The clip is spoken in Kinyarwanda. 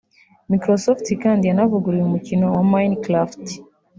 Microsoft kandi yanavuguruye umukino wa Minecraft